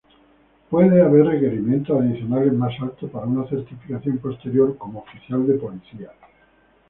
Puede haber requerimientos adicionales más altos para una certificación posterior como oficial de policía.